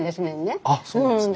あっそうなんですね。